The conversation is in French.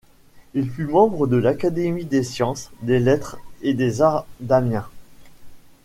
Il fut membre de l'Académie des sciences, des lettres et des arts d'Amiens.